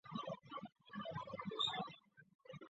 同盟国军事占领日本时禁止武道课程。